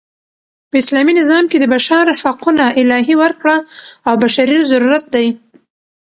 په اسلامي نظام کښي د بشر حقونه الهي ورکړه او بشري ضرورت دئ.